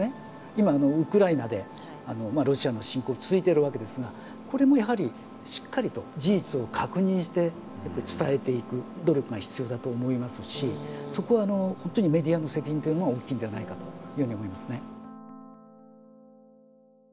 今ウクライナでロシアの侵攻続いてるわけですがこれもやはりしっかりと事実を確認して伝えていく努力が必要だと思いますしそこは本当にメディアの責任というものが大きいんじゃないかというふうに思いますね。